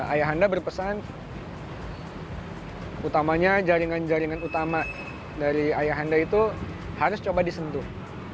ayah anda berpesan utamanya jaringan jaringan utama dari ayah anda itu harus coba disentuh